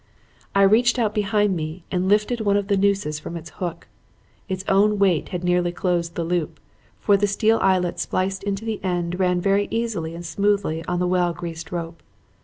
"I reached out behind me and lifted one of the nooses from its hook. Its own weight had nearly closed the loop, for the steel eyelet spliced into the end ran very easily and smoothly on the well greased rope.